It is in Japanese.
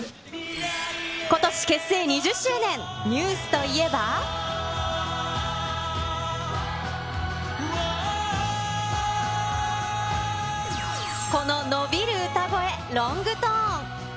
ことし結成２０周年、ＮＥＷＳといえば、この伸びる歌声、ロングトーン。